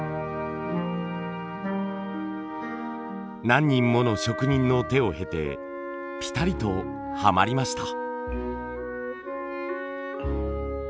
何人もの職人の手を経てピタリとはまりました。